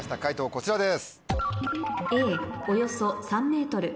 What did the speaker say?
こちらです。